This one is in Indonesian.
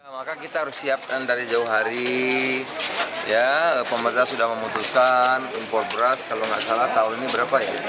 maka kita harus siapkan dari jauh hari pemerintah sudah memutuskan impor beras kalau nggak salah tahun ini berapa ya